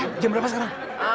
eh jam berapa sekarang